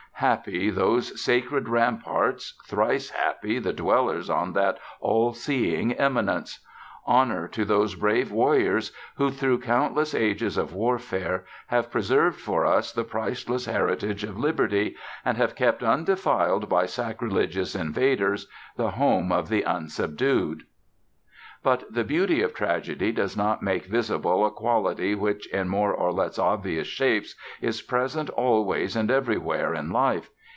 Happy those sacred ramparts, thrice happy the dwellers on that all seeing eminence. Honor to those brave warriors who, through countless ages of warfare, have preserved for us the priceless heritage of liberty, and have kept undefiled by sacrilegious invaders the home of the unsubdued. But the beauty of Tragedy does but make visible a quality which, in more or less obvious shapes, is present always and everywhere in life.